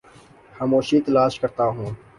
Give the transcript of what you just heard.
خاموشی تلاش کرتا ہوں